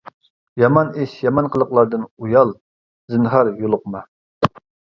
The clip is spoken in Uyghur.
يامان ئىش يامان قىلىقلاردىن ئۇيال، زىنھار يولۇقما!